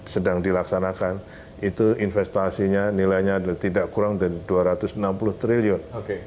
sedang dilaksanakan itu investasinya nilainya tidak kurang dari dua ratus enam puluh triliun